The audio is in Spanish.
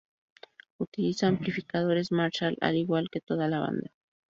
Utiliza amplificadores Marshall al igual que toda la banda.